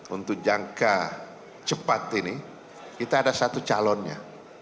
untuk jangka cepat ini kita ada satu calonnya